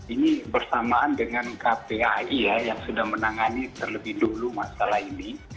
ini bersamaan dengan kpai ya yang sudah menangani terlebih dulu masalah ini